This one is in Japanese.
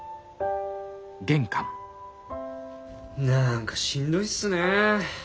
何かしんどいっすね。